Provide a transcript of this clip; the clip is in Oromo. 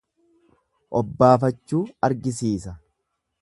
Obbaafachuu argisiisa.